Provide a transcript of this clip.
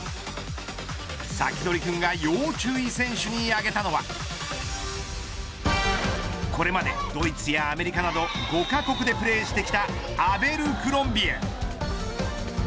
サキドリくんが要注意選手に挙げたのはこれまでドイツやアメリカなど５カ国でプレーしてきたアベルクロンビエ。